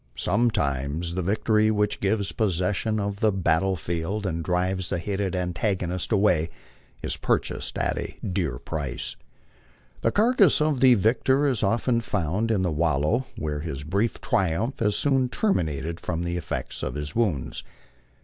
Sometimes the victory which gives possession of the battle field and drives a hated antagonist away is purchased at a dear price. The carcass of the victor is often found in the wallow, where his brief triumph has soon terminated from the effects of his wounds.